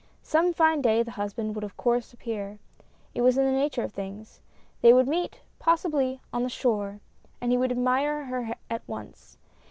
Some fine day the husband would of course appear; it was in the nature of things; they would meet, possibly, on the shore, and he would admire her 42 DREAMS. at once.